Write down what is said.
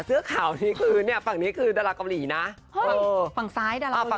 เสื้อขาวที่คือฝั่งนี้คือดรกรีน่ะ